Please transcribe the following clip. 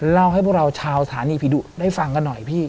เล่าให้พวกเราชาวสถานีผีดุได้ฟังกันหน่อยพี่